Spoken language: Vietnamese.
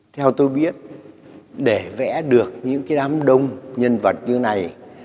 theo tôi biết để vẽ được những cái đám đông nhân vật như này